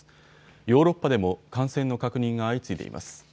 ヨーロッパでも感染の確認が相次いでいます。